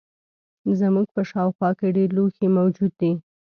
زموږ په شاوخوا کې ډیر لوښي موجود دي.